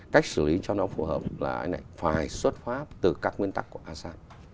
cách xử lý cho nó phù hợp là phải xuất pháp từ các nguyên tắc của asean